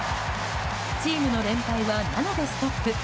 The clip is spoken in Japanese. チームの連敗は７でストップ。